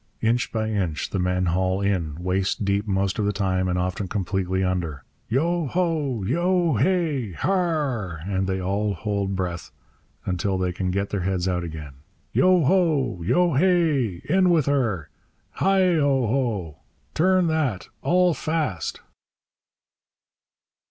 Inch by inch the men haul in, waist deep most of the time and often completely under. Yo ho! Yo hay! harrhh, and they all hold breath till they can get their heads out again. Yo ho! Yo hay! 'In with her!' Heigh o oh! 'Turn that!' 'All fast!'